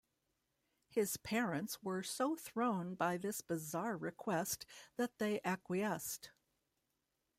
His parents were so thrown by this bizarre request that they acquiesced.